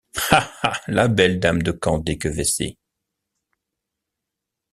Ha! ha ! la belle dame de Candé que vécy !